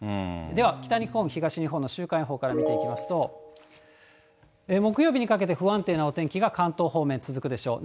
では北日本、東日本の週間予報から見ていきますと、木曜日にかけて不安定なお天気が、関東方面、続くでしょう。